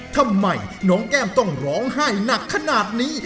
ทำไมน้องแก้มต้องร้องไห้หนักขนาดนี้